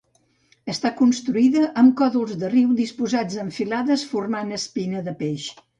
Està construïda amb còdols de riu, disposats en filades formant espina de peix.